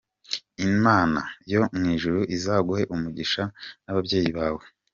Imana yo mu ijuru izaguhe umugisha n’ababyeyi bawe.